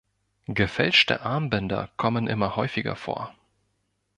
Gefälschte Armbänder kommen immer häufiger vor.